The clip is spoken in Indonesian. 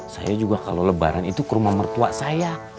saya juga kalau lebaran itu ke rumah mertua saya